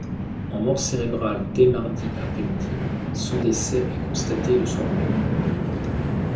En mort cérébrale dès mardi après-midi, son décès est constaté le soir même.